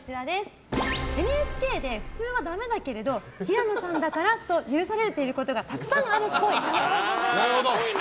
ＮＨＫで普通はダメだけれど平野さんだからと許されていることがたくさんあるっぽい。